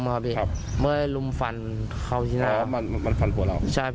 เมื่อลุ้มฟันเขาที่หน้า